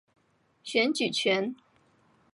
选举权。